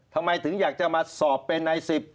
ทำไมถึงอยากจะมาสอบเป็นใน๑๐